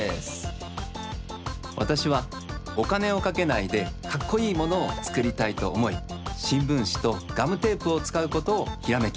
わたしはおかねをかけないでかっこいいものをつくりたいとおもいしんぶんしとガムテープをつかうことをひらめきました。